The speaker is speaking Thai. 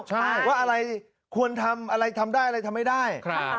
ใช่ว่าอะไรควรทำอะไรทำได้อะไรทำไม่ได้